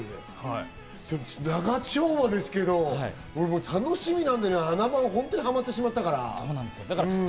２０話ですよね、長丁場ですけど楽しみなんでね、『あな番』本当にはまってしまったから。